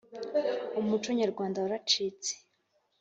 umuco nyarwanda waracitse